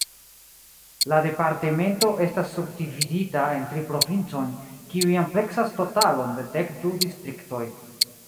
La departemento estas subdividita en tri provincojn, kiuj ampleksas totalon de dek du distriktoj.